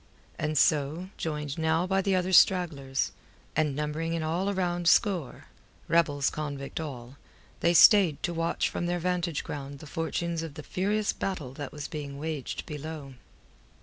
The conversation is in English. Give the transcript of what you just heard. And so, joined now by the other stragglers, and numbering in all a round score rebels convict all they stayed to watch from their vantage ground the fortunes of the furious battle that was being waged below.